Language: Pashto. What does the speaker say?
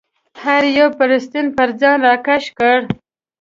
هر یو بړستن پر ځان راکش کړه.